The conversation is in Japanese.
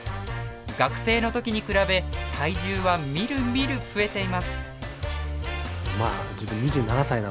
学生の時に比べ体重はみるみる増えています。